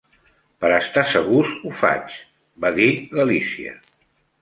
"Per estar segurs, ho faig", va dir l'Alícia.